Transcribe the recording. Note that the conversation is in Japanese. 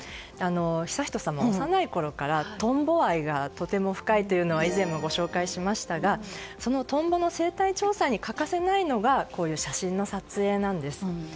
悠仁さま、幼いころからトンボ愛が深いというのは以前もご紹介しましたがそのトンボの生態調査に欠かせないのが写真の撮影なんです。